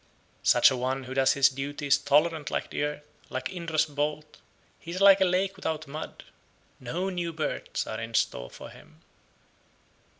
95. Such a one who does his duty is tolerant like the earth, like Indra's bolt; he is like a lake without mud; no new births are in store for him.